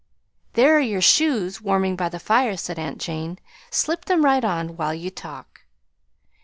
"There are your shoes warming by the fire," said aunt Jane. "Slip them right on while you talk."